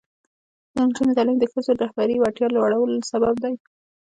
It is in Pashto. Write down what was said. د نجونو تعلیم د ښځو رهبري وړتیا لوړولو سبب دی.